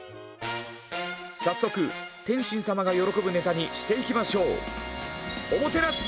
早速天心様が喜ぶネタにしていきましょう。